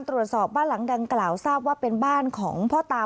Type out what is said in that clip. ตรวจสอบบ้านหลังดังกล่าวทราบว่าเป็นบ้านของพ่อตา